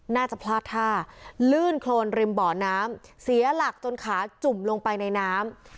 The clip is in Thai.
น่าจะพลาดท่าลื่นโครนริมบ่อน้ำเสียหลักจนขาจุ่มลงไปในน้ำ